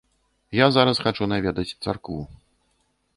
Я зараз хачу наведаць царкву.